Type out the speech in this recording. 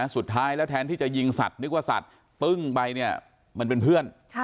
สุดท้ายแล้วแทนที่จะยิงสัตว์นึกว่าสัตว์ปึ้งไปเนี่ยมันเป็นเพื่อน